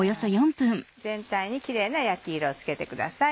全体にキレイな焼き色をつけてください。